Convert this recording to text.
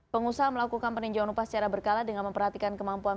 pengusaha melakukan peninjauan upah secara berkala dengan memperhatikan kemampuan